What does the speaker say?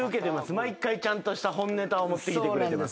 毎回ちゃんとした本ネタを持ってきてくれてます。